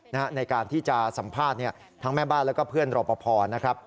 ในการที่จะสัมภาษณ์ทั้งแม่บ้านแล้วก็เพื่อนรอปภนะครับ